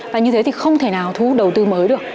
và như thế thì không thể nào thu hút đầu tư mới được